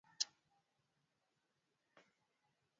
Bunge la Marekani lina uwezo wa kubadili uwamuzi huo